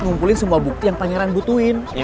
gak usah ngomongin dia